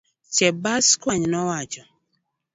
Chebaskwony nowacho.